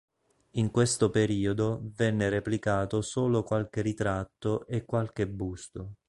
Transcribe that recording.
In questo periodo venne replicato solo qualche ritratto e qualche busto.